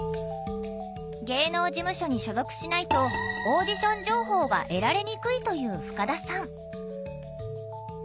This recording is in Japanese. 芸能事務所に所属しないとオーディション情報は得られにくいという深田さん